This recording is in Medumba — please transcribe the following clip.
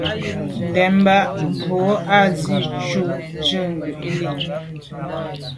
Ndɛ̂mbə̄ bū à’ zí’jú jə̂ ngū’ lî.